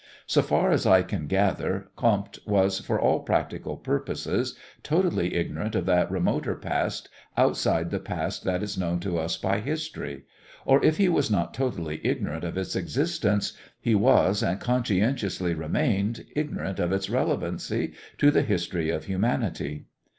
So far as I can gather, Comte was, for all practical purposes, totally ignorant of that remoter past outside the past that is known to us by history, or if he was not totally ignorant of its existence, he was, and conscientiously remained, ignorant of its relevancy to the history of humanity.